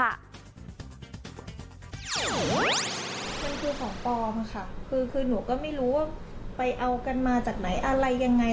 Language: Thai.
มันคือของปลอมค่ะคือหนูก็ไม่รู้ว่าไปเอากันมาจากไหนอะไรยังไง